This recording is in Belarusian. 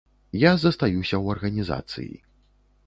Я застаюся ў арганізацыі.